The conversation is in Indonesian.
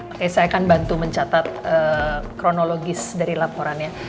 oke saya akan bantu mencatat kronologis dari laporannya